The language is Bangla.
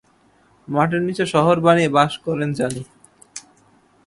মাটির নিচে শহর বানিয়ে বাস করেন জানি।